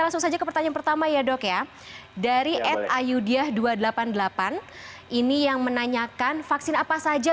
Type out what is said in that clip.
langsung saja ke pertanyaan pertama ya dok ya dari ed ayudya dua ratus delapan puluh delapan ini yang menanyakan vaksin apa saja